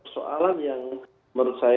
soalan yang menurut saya